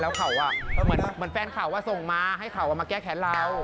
แล้วเขาเหมือนแฟนข่าวว่าส่งมาให้เขามาแก้แค้นเรา